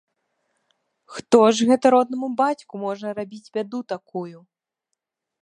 Хто ж гэта роднаму бацьку можа рабіць бяду такую?